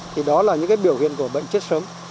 thì đó là những cái biểu hiện của bệnh chết sớm